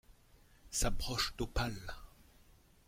Sa broche d'opale !